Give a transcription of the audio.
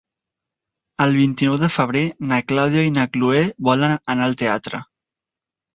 El vint-i-nou de febrer na Clàudia i na Cloè volen anar al teatre.